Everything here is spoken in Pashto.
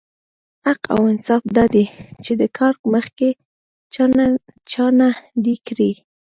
حق او انصاف دا دی چې دا کار مخکې چا نه دی کړی.